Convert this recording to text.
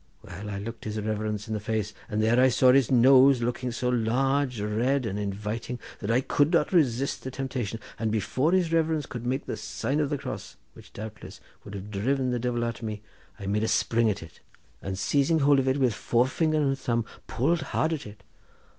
Well, I looked his reverence in the face, and there I saw his nose looking so large, red, and inviting that I could not resist the temptation, and before his reverence could make the sign of the cross, which doubtless would have driven the divil out of me, I made a spring at it, and seizing hold of it with fore finger and thumb, pulled hard at it.